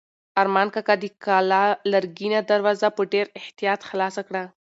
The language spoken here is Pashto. ارمان کاکا د کلا لرګینه دروازه په ډېر احتیاط خلاصه کړه.